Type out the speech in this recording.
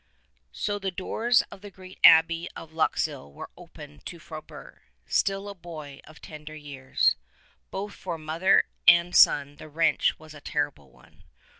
So the doors of the great Abbey of Luxeuil were opened to Frobert — still a boy of tender years. Both for mother and son the wrench was a terrible one.